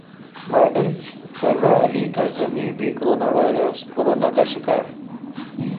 model Farwa Ali Kazmi بھی corona کا شکار